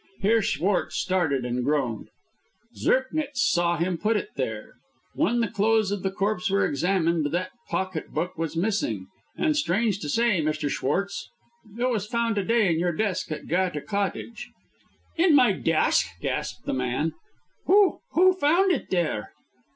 Here Schwartz started and groaned. "Zirknitz saw him put it there. When the clothes of the corpse were examined, that pocket book was missing; and, strange to say, Mr. Schwartz, it was found to day in your desk at Goethe Cottage." "In my desk!" gasped the man. "Who who found it there?"